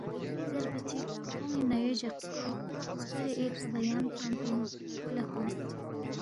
زیربا چِک کھون٘ی نَیوے جقسپو سکورے ایکھہ بیام تھنگ پِنگ مو لہ فنگس